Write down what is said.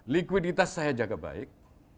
likuiditas saya jaga baik